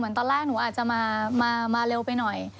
เหมือนตอนแรกหนูอาจจะมามาเร็วไปหน่อย